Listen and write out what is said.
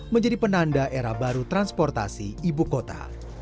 menjadi penanda era baru transportasi ibu kota